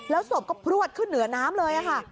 ศพก็พลวดขึ้นเหนือน้ำเลยค่ะ